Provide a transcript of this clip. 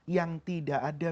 yang tidak ada